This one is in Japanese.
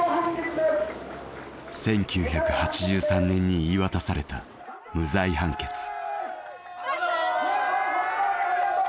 １９８３年に言い渡された無罪判決。